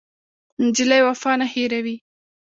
نجلۍ وفا نه هېروي.